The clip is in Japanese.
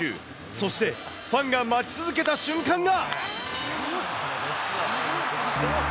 そして、ファンが待ち続けた瞬間が。